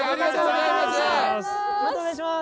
またお願いします。